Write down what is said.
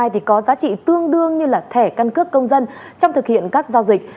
thì có giá trị tương đương như là thẻ căn cước công dân trong thực hiện các giao dịch